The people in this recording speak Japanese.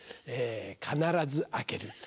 必ずあける。